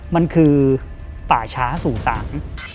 มันคือป่าช้าสู่สัง